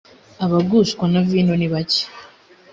abagushwa na vino nibake.